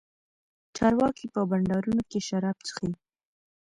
چارواکي په بنډارونو کښې شراب چښي.